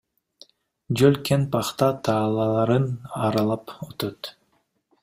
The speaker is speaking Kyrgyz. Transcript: Жол кең пахта талааларын аралап өтөт.